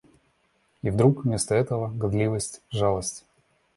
И вдруг вместо этого — гадливость, жалость...